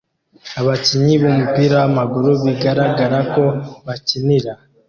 Abakinnyi b'umupira w'amaguru bigaragara ko bakinira